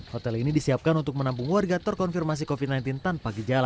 hotel ini disiapkan untuk menampung warga terkonfirmasi covid sembilan belas tanpa gejala